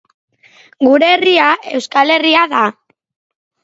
Gure Herria, Euskal Herria da.